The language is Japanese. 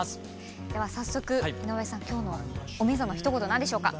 では早速井上さん今日のおめざのひと言何でしょうか？